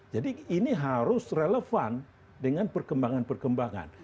jadi ini harus relevan dengan perkembangan perkembangan